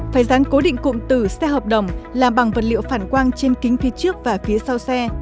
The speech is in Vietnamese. phải dán cố định cụm từ xe hợp đồng làm bằng vật liệu phản quang trên kính phía trước và phía sau xe